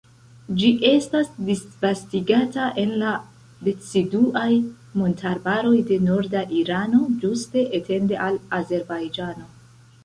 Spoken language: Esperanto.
Ĝi estas disvastigata en la deciduaj montarbaroj de norda Irano, ĝuste etende al Azerbajĝano.